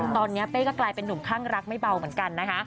ตอนนี้เป้ก็กลายเป็นนุ่มข้างรักไม่เบาเหมือนกันนะคะ